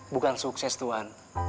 bukan sukses tuan